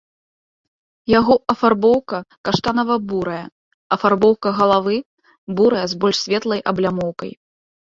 Яго афарбоўка каштанава-бурая, афарбоўка галавы бурая з больш светлай аблямоўкай.